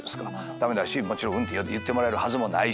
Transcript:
駄目だしもちろんうんって言ってもらえるはずもないし。